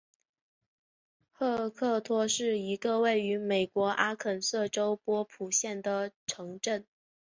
赫克托是一个位于美国阿肯色州波普县的城镇。